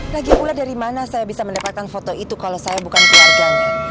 lagi ulah dari mana saya bisa mendapatkan foto itu kalau saya bukan keluarganya